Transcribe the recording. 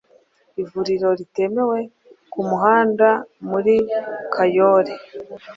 ivuriro ritemewe ku muhanda muri kayole,